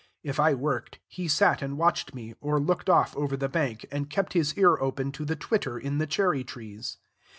If I worked, he sat and watched me, or looked off over the bank, and kept his ear open to the twitter in the cherry trees.